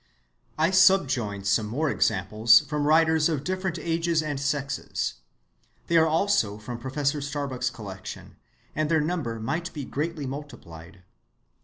I subjoin some more examples from writers of different ages and sexes. They are also from Professor Starbuck's collection, and their number might be greatly multiplied.